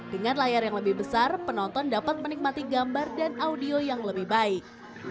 dengan layar yang lebih besar penonton dapat menikmati gambar dan audio yang lebih baik